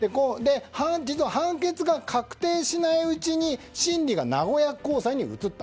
実は判決が確定しないうちに審理が名古屋高裁に移った。